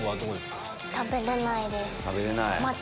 食べれないです。